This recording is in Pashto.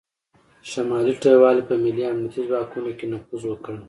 شمالي ټلوالې په ملي امنیتي ځواکونو کې نفوذ وکړ